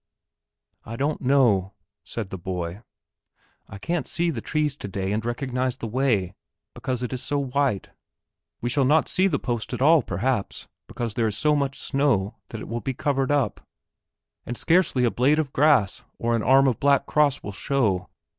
"I don't know," said the boy, "I can't see the trees today and recognize the way, because it is so white. We shall not see the post at all, perhaps, because there is so much snow that it will be covered up and scarcely a blade of grass or an arm of the black cross will show.